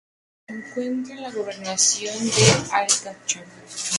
Se encuentra en la Gobernación de Al-Hasakah.